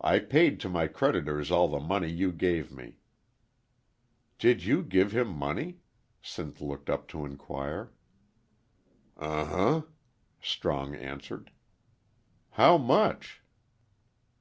I paid to my creditors all the money you gave me.'" "Did you give him money?" Sinth looked up to inquire. "Uh huh," Strong answered. "How much?"